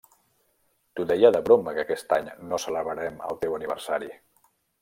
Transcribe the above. T'ho deia de broma que aquest any no celebrarem el teu aniversari.